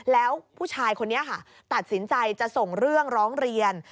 แล้วผู้ชายคนนี้ค่ะตัดสินใจจะส่งเรื่องร้องเรียน